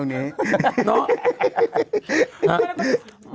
เนอะ